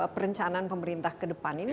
perencanaan pemerintah kedepan ini